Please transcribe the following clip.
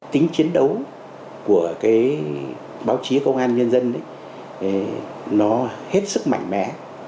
tính chiến đấu của cái báo chí công an nhân dân nó hết sức mạnh mẽ